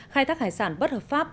khai thác hải sản bất hợp pháp